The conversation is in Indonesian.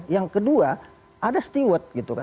yang kedua ada steward gitu kan